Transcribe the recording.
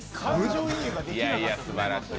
いやいやすばらしい。